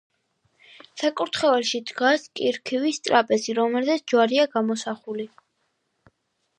საკურთხეველში დგას კირქვის ტრაპეზი, რომელზეც ჯვარია გამოსახული.